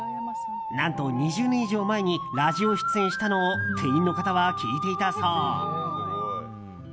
何と２０年以上前にラジオ出演したのを店員の方は聴いていたそう。